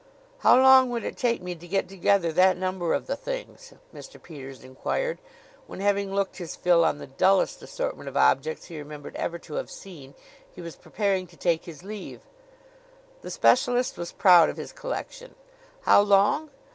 "How long would it take me to get together that number of the things?" Mr. Peters inquired, when, having looked his fill on the dullest assortment of objects he remembered ever to have seen, he was preparing to take his leave. The specialist was proud of his collection. "How long?